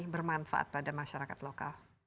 bermanfaat pada masyarakat lokal